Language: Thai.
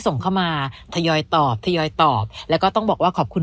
ส่งเข้ามาทยอยตอบทยอยตอบแล้วก็ต้องบอกว่าขอบคุณ